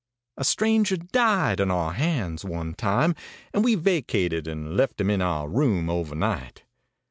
A stranger died on our hands one time, and we vacated and left him in our room overnight.